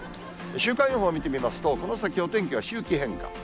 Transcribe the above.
週間予報見てみますと、この先、お天気は周期変化。